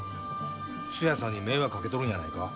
ツヤさんに迷惑かけとるんやないか？